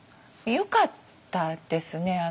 よかったですね。